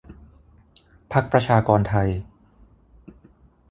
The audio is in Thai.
พรรคประชากรไทย